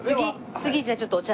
次じゃあちょっとお茶。